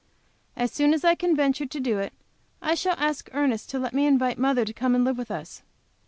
As soon as I can venture to it, I shall ask Ernest to let me invite mother to come and live with us.